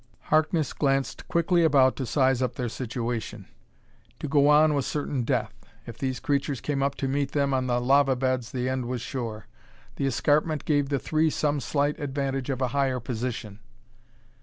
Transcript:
Harkness glanced quickly about to size up their situation. To go on was certain death; if these creatures came up to meet them on the lava beds, the end was sure. The escarpment gave the three some slight advantage of a higher position.